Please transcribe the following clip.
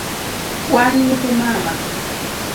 Wan nyithi mama